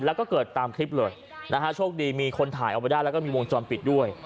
แล้วก็เกิดตามคลิปเลยนะฮะโชคดีมีคนถ่ายเอาไว้ได้แล้วก็มีวงจรปิดด้วย